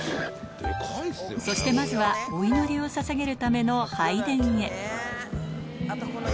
そしてまずは、お祈りをささげるための拝殿へ。